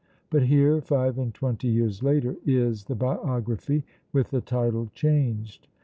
But here, five and twenty years later, is the biography, with the title changed.